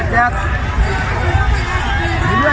สวัสดีครับ